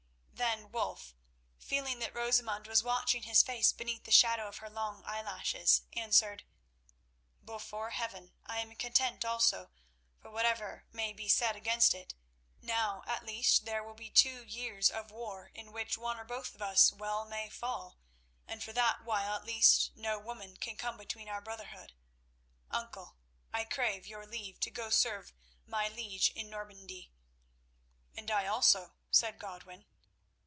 Then Wulf, feeling that Rosamund was watching his face beneath the shadow of her long eyelashes, answered: "Before Heaven, I am content also, for whatever may be said against it, now at least there will be two years of war in which one or both of us well may fall, and for that while at least no woman can come between our brotherhood. Uncle, I crave your leave to go serve my liege in Normandy." "And I also," said Godwin.